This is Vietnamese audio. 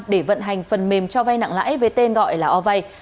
để vận hành phần mềm cho vay nặng lãi với tên gọi là ovay